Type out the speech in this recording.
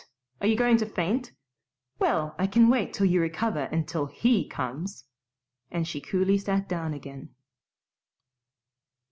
Are you going to faint? Well, I can wait till you recover and till HE comes," and she coolly sat down again.